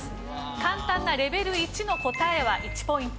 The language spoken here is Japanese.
簡単なレベル１の答えは１ポイント。